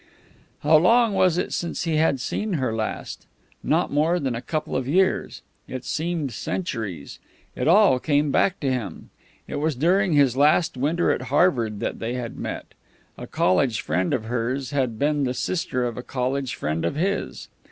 How long was it since he had seen her last? Not more than a couple of years. It seemed centuries. It all came back to him. It was during his last winter at Harvard that they had met. A college friend of hers had been the sister of a college friend of his.